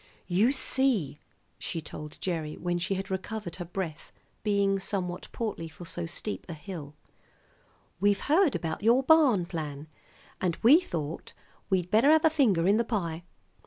"You see," she told Gerry when she had recovered her breath, being somewhat portly for so steep a hill, "we've heard about your barn plan, and we thought we'd better have a finger in the pie.